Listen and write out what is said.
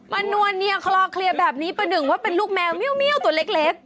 มันนวดเนี่ยคลอเคลียร์แบบนี้เบาดึงว่าเป็นลูกแมวเบ้อตัวเล็ก